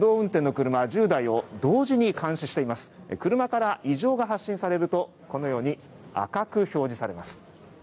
車から異常が発信されるとこのように赤く表示されます。